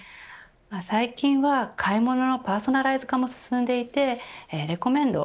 最近は買い物のパーソナライズ化も進んでいてレコメンド